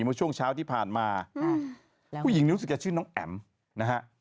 เมื่อช่วงเช้าที่ผ่านมาแล้วผู้หญิงนี้รู้สึกจะชื่อน้องแอ๋มนะฮะ